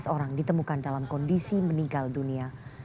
tiga belas orang ditemukan dalam kondisi meninggal dunia